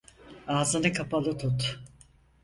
Ağzını kapalı tut.